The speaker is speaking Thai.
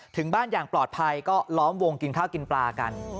ถึงบ้านอย่างปลอดภัยก็ล้อมวงกินข้าวกินปลากัน